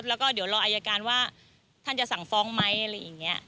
แล้วก็เดี๋ยวรออายการว่าท่านจะสั่งฟ้องไหมอะไรอย่างนี้